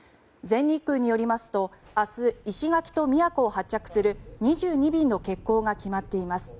全日空によりますと明日、石垣と宮古を発着する２２便の欠航が決まっています。